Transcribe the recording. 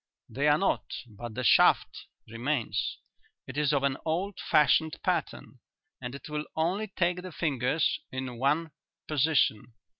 "They are not, but the shaft remains. It is of an old fashioned pattern and it will only take the fingers in one position.